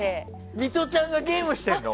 ミトちゃんがゲームしてるの？